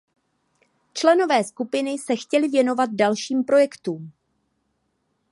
Členové skupiny se chtěli věnovat dalším projektům.